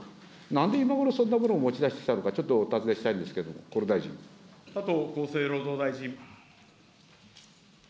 なんで今ごろそんなものを持ち出してきたのかちょっとお尋ねした加藤厚生労働大臣。